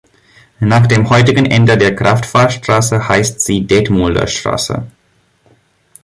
Nach dem heutigen Ende der Kraftfahrstraße heißt sie Detmolder Straße.